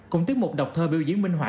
cùng tiết mục đọc thơ biểu diễn minh họa